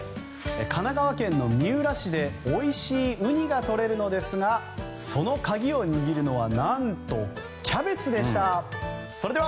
神奈川県の三浦市でおいしいウニがとれるのですがその鍵を握るのが何とキャベツでした。